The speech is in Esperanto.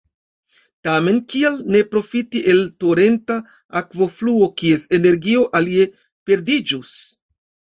Tamen kial ne profiti el torenta akvofluo kies energio alie perdiĝus?